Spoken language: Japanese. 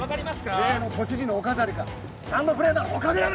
例の都知事のお飾りかスタンドプレーなら他でやれ！